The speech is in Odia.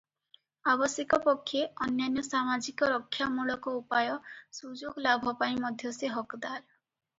ଆବଶ୍ୟକ ପକ୍ଷେ ବା ଅନ୍ୟାନ୍ୟ ସାମାଜିକ ରକ୍ଷାମୂଳକ ଉପାୟ ସୁଯୋଗ ଲାଭ ପାଇଁ ମଧ୍ୟ ସେ ହକଦାର ।